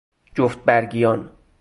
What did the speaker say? جفت برگیان